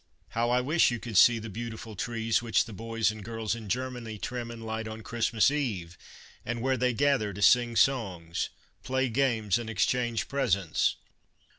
How 1 wish you could see the beautiful trees which the boys and girls in Germany trim and light on Christmas Eve, and where they gather to sing songs, play games and exchange presents.